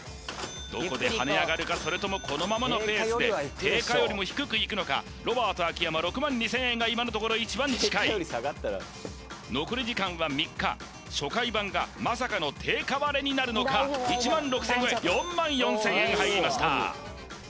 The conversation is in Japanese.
どこで跳ね上がるかそれともこのままのペースで定価よりも低くいくのかロバート秋山６２０００円が今のところ一番近い残り時間は３日初回盤がまさかの定価割れになるのか１６０００円超え４４０００円入りました